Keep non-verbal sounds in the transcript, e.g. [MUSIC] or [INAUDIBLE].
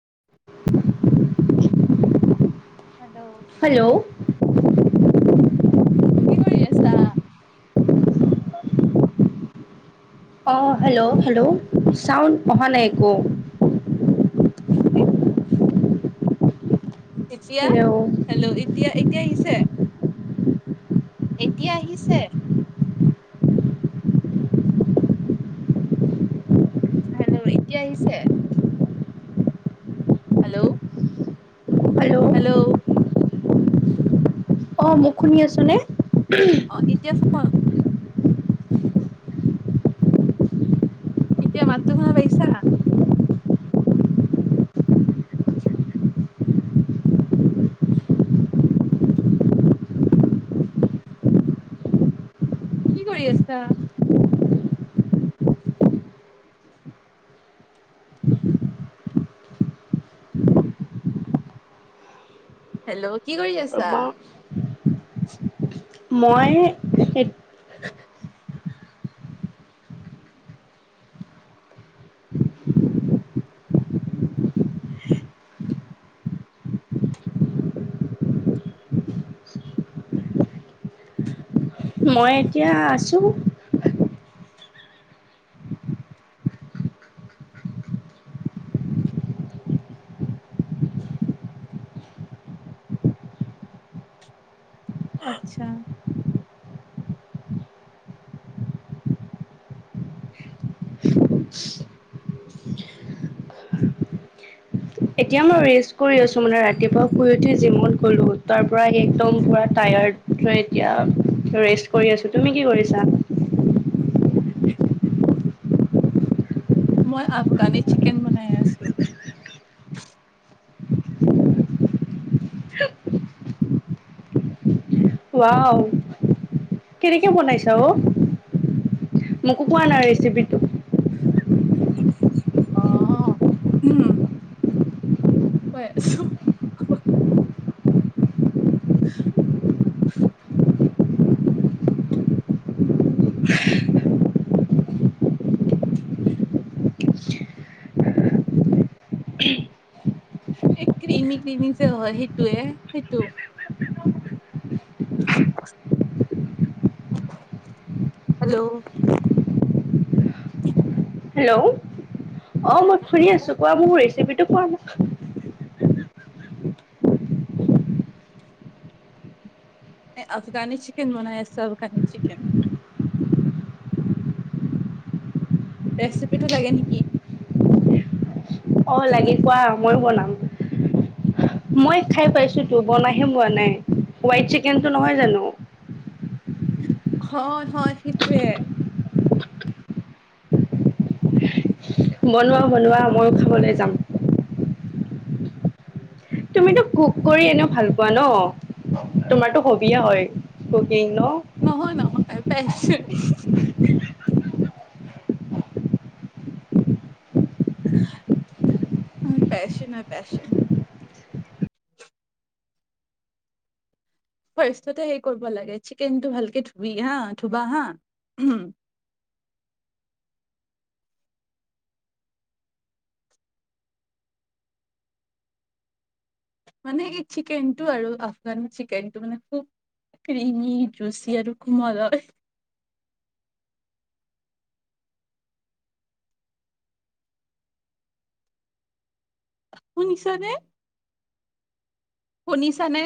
[INAUDIBLE] Hello. কি কৰি আছা? অ, হেল্ল', হেল্ল', চাউণ্ড অহা নাই একো। এক। এতিয়া, হেল্ল' হেল্ল', এতিয়া এতিয়া আহিছে? এতিয়া আহিছে। হেল্ল', এতিয়া আহিছে? হেল্ল'। হেল্ল'। অ, মোক শুনি আছো নে? অ, এতিয়া ফ এতিয়া মাততো শুনা পাইছা? কি কৰি আছা? হেল্ল', কি কৰি আছা? মই মই এতিয়া আছো। আত্ছা। [UNINTELLIGIBLE] এতিয়া মই ৰেষ্ট কৰি আছো মানে ৰাতিপুৱা শুই উঠি জিমত গ'লো তাৰ পৰা আহি একদম পুৰা টায়াৰ্ড [UNINTELLIGIBLE] এতিয়া ৰেষ্ট কৰি আছো, তুমি কি কৰিছা? মই আফগানী চিকেন বনাই আছো। ওৱাও, কেনেকে বনাইছা অ', মোকো কোৱা না ৰেচিপিটো। অঁ অঁ উম, কৈ আছোঁ, হয়। [UNINTELLIGIBLE] এই ক্ৰিমি ক্ৰিমি যে হয়, সেইটো হে, সেইটো, হেল্ল'? হেল্ল'? অ মই শুনি আছোঁ, কোৱা মোৰ ৰেচিপিটো [UNINTELLIGIBLE] আফগানী চিকেন বনাই আছোঁ, আফগানী চিকন। ৰেচিপিটো লাগে নেকি? অ লাগে কোৱা, মইো বনাম। মই খাই পাইছোঁ তো, বনাইাতো পোৱা নাই, হোৱাইট চিকেনতটো নহয় জানো? হয় হয় সেইটোৱে। বনোৱা, বনোৱা, মইয়ো খাবলৈ যাম। তুমিতো কুক কৰি এনেও ভাল পোৱা ন, তোমাৰতো হবিয়ে হয়। কুকিং ন নহয়, নহয়, পেশচন। মোৰ পেশচন হয়, পেশচন। [UNINTELLIGIBLE] হেৰি কৰিব লাগে চিকেনটো ভালকে ধুবি হা, ধুবা হা, উম। মানে এই চিকেনটো আৰু আফগানৰ চিকেনটো মানে খুব ক্ৰিমি জুচি আৰু কুমল হয়। শুনিছা নে? শুনিছানে?